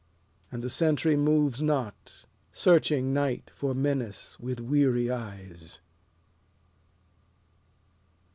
And the sentry moves not, searching Night for menace with weary eyes.